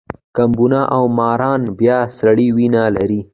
کبونه او ماران بیا سړه وینه لري